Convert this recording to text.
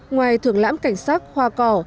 ngoài thưởng lãm cảnh sắc hoa cỏ